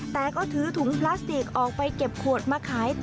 แต่ก็ถือถุงพลาสติกออกไปเก็บขวดมาขายต่อ